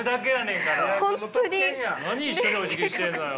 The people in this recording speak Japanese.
何一緒におじぎしてんのよ。